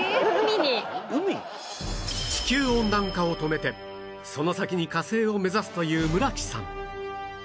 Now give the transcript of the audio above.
地球温暖化を止めてその先に火星を目指すという村木さん